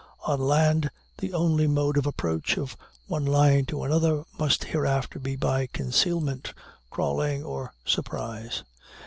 On land, the only mode of approach of one line to another must hereafter be by concealment, crawling, or surprise.